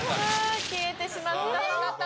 消えてしまった。